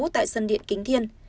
tại sân điện kính thiên